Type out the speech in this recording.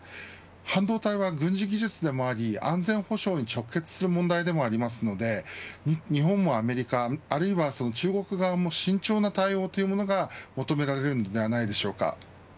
半導体は軍事技術でもあり安全保障に直結する問題でもありますので日本もアメリカあるいは中国側も、慎重な対応というものが求められます。